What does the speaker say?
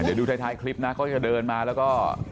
เดี๋ยวดูท้ายคลิปนะเขาจะเดินมาแล้วก็